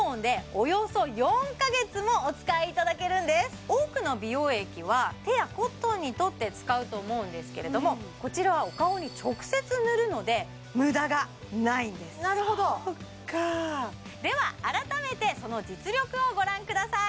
実は多くの美容液は手やコットンに取って使うと思うんですけれどもこちらはお顔に直接塗るので無駄がないんですなるほどそっかーでは改めてその実力をご覧ください